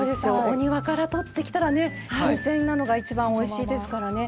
お庭から取ってきたらね新鮮なのが一番おいしいですからね。